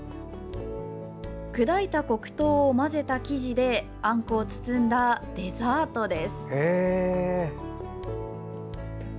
砕いた黒糖を混ぜた生地であんこを包んだデザートです。